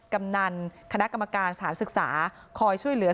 กำนันคณะกรรมการสถานศึกษาคอยช่วยเหลือ